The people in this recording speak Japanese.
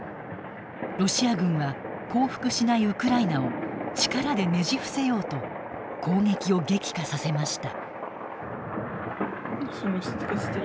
ロシア軍は降伏しないウクライナを力でねじ伏せようと攻撃を激化させました。